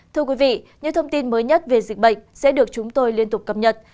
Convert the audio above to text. thưa quý vị những thông tin mới nhất về dịch bệnh sẽ được chúng tôi liên tục cập nhật